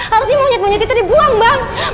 harusnya monyet monyet itu dibuang bang